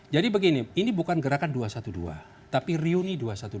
jadi begini ini bukan gerakan dua ratus dua belas tapi runi dua ratus dua belas